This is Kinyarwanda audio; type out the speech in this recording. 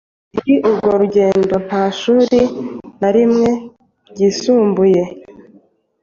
Muri urwo rwego nta shuri na rimwe ryisumbuye